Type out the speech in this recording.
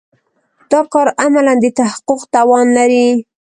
دا کار عملاً د تحقق توان لري.